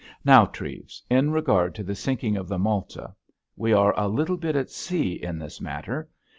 Now, Treves, in regard to the sinking of the Malta—we are a little bit at sea in this matter.